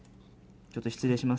ちょっと失礼します。